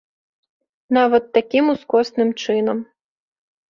Нават такім ускосным чынам.